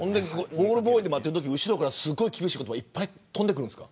ボールボーイで待ってるとき後ろから、すごい厳しい言葉いっぱい飛んでくるんですか。